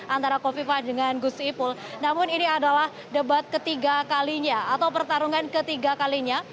antara kofifa dengan gus ipul namun ini adalah debat ketiga kalinya atau pertarungan ketiga kalinya